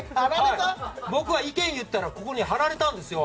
僕が意見を言ったらここに貼られたんですよ。